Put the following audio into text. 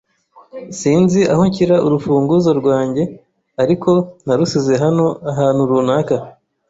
Sinzi aho nshyira urufunguzo rwanjye, ariko narusize hano ahantu runaka.